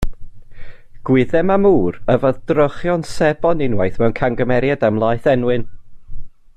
Gwyddem am ŵr yfodd drochion sebon unwaith mewn camgymeriad am laeth enwyn.